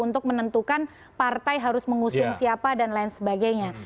untuk menentukan partai harus mengusung siapa dan lain sebagainya